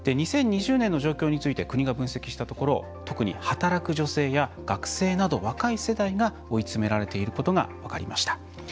２０２０年の状況について国が分析したところ特に働く女性や学生など若い世代が追い詰められていることが分かりました。